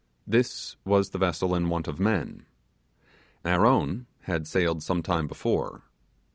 This was the vessel in want of men. Our own had sailed some time before.